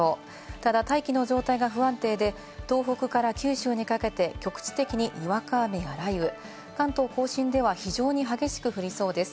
ただ大気の状態が不安定で、東北から九州にかけて、局地的ににわか雨や雷雨、関東甲信では非常に激しく降りそうです。